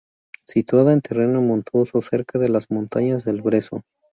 Situada en terreno montuoso, cerca de las montañas del Brezo.